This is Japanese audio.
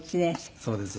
そうです。